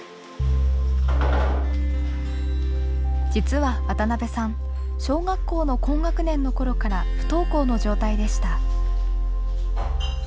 実は渡さん小学校の高学年の頃から不登校の状態でした。